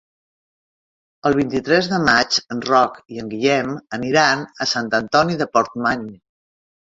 El vint-i-tres de maig en Roc i en Guillem aniran a Sant Antoni de Portmany.